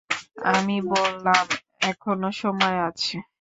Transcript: আমি বললাম, এখনো সময় আছে।